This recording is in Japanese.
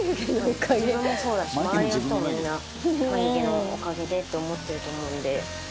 自分もそうだし周りの人も、みんな眉毛のおかげでって思ってると思うんで。